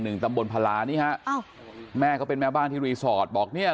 แห่ง๑ตำบลพารานี่ฮะอ้าวแม่ก็เป็นแม่บ้านที่บอกเนี้ย